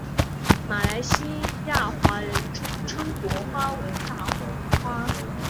马来西亚华人称国花为大红花。